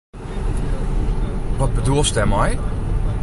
Wat bedoelst dêrmei?